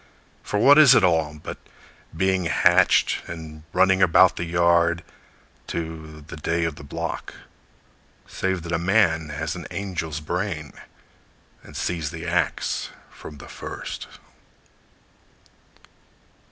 For what is it all but being hatched, And running about the yard, To the day of the block? Save that a man has an angel's brain, And sees the ax from the first!